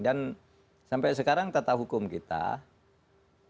dan sampai sekarang tata hukum kita kita bisa menangkapnya